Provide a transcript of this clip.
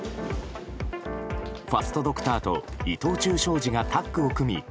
ファストドクターと伊藤忠商事がタッグを組み